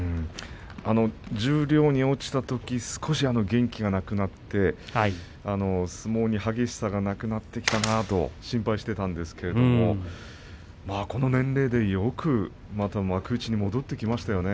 十両に落ちたとき、少し元気がなくなって相撲に派手さがなくなってきたなと心配していたんですがこの年齢で、よくまた幕内に戻ってきましたよね。